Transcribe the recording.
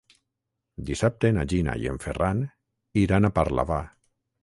Dissabte na Gina i en Ferran iran a Parlavà.